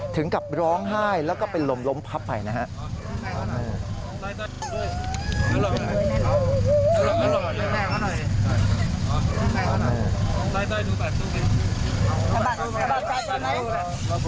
ถึงกับร้องไห้แล้วก็เป็นลมล้มพับไปนะครับ